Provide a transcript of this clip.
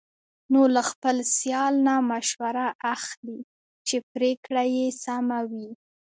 نو له خپل سیال نه مشوره اخلي، چې پرېکړه یې سمه وي.